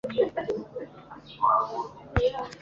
Nagize ikibazo cyo gukemura ikibazo